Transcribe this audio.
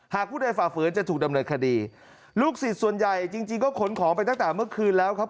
ผู้ใดฝ่าฝืนจะถูกดำเนินคดีลูกศิษย์ส่วนใหญ่จริงจริงก็ขนของไปตั้งแต่เมื่อคืนแล้วครับ